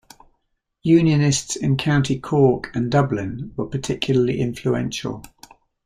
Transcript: Unionists in County Cork and Dublin were particularly influential.